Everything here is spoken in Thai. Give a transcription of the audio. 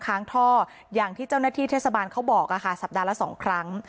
ค้างท่ออย่างที่เจ้าหน้าที่เทศบาลเขาบอกค่ะสัปดาห์ละ๒ครั้ง